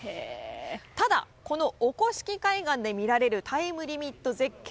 ただ、この御輿来海岸で見られるタイムリミット絶景。